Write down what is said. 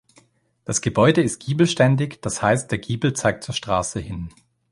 Das Gebäude ist giebelständig, das heißt, der Giebel zeigt zur Straße hin.